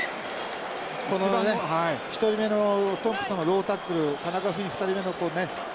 このね１人目のトンプソンのロータックル田中史朗２人目のこうね。